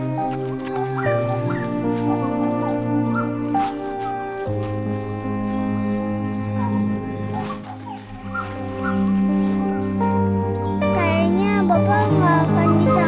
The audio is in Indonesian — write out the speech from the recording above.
kayaknya bapak nggak akan bisa